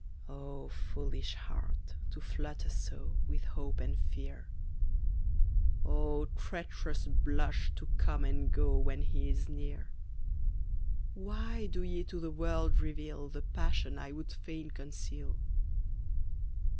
O foolish heart, to flutter so With hope and fear; O treacherous blush, to come and go When he is near; Why do ye to the world reveal The passion I would fain conceal?